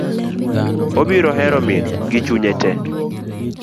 Obiro hero min gi chunye tee.